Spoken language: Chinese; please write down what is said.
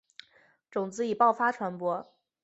种子以爆发传播。